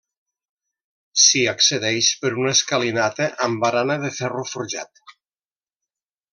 S'hi accedeix per una escalinata amb barana de ferro forjat.